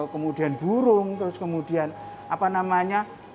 kemudian burung terus kemudian apa namanya